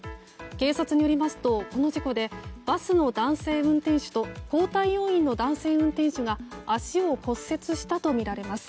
警察によりますとこの事故で、バスの男性運転手と交代要員の男性運転手が足を骨折したとみられます。